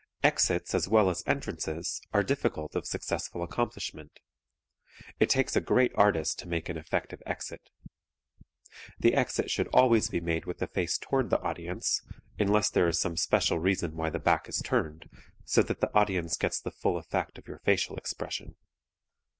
Exits as well as entrances are difficult of successful accomplishment. It takes a great artist to make an effective exit. The exit should always be made with the face toward the audience (unless there is some special reason why the back is turned), so that the audience gets the full effect of your facial expression.